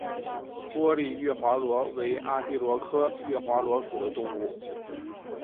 玻璃月华螺为阿地螺科月华螺属的动物。